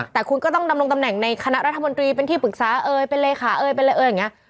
แต่คุณก็ต้องดำรงตำแหน่งในคณะรัฐมนตรีเป็นที่ปรึกษาเอ่ยเป็นเลขาเอ่ยเป็นอะไรเอ่ยอย่างนี้